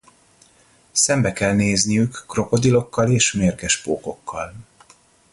Szembe kell nézniük krokodilokkal és mérges pókokkal.